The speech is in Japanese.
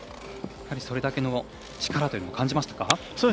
それだけの力というのを感じましたか。